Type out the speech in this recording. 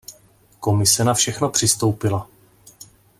Komise na všechno přistoupila.